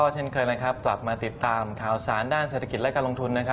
เช่นเคยกลับมาติดตามข่าวสารด้านเศรษฐกิจและการลงทุน